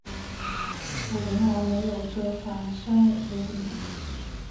楚灵王没有责罚申无宇。